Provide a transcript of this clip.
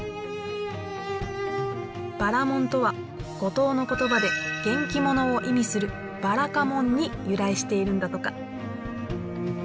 ばらもんとは五島の言葉で元気ものを意味するばらかもんに由来しているんだとか。